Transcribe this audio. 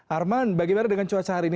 arman bagaimana dengan cuaca hari ini